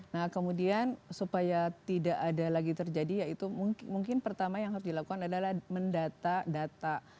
nah kemudian supaya tidak ada lagi terjadi ya itu mungkin pertama yang harus dilakukan adalah mendata data